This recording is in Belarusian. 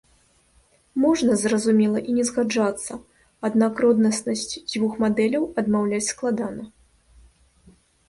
Можна, зразумела, і не згаджацца, аднак роднаснасць дзвюх мадэляў адмаўляць складана.